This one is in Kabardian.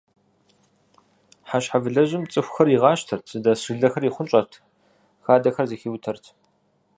Хьэщхьэвылъэжьым цӏыхухэр игъащтэрт, зыдэс жылэхэр ихъунщӏэрт, хадэхэр зэхиутэрт.